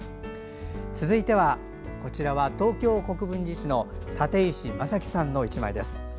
続いては東京・国分寺市の舘石昌紀さんの１枚です。